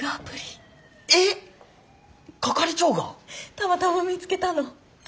たまたま見つけたの。